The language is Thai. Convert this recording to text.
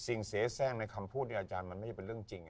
สิ่งเสียแซ่งในคำพูดเนี่ยอาจารย์มันไม่เป็นเรื่องจริง